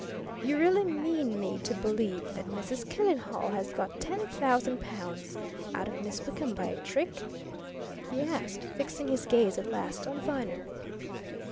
"You really mean me to believe that Mrs. Killenhall has got ten thousand pounds out of Miss Wickham by a trick?" he asked, fixing his gaze at last on Viner.